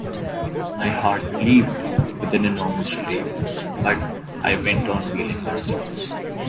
My heart leaped with an enormous relief, but I went on wheeling my stones.